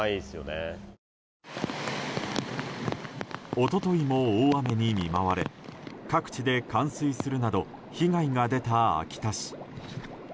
一昨日も大雨に見舞われ各地で冠水するなど被害が出た秋田市。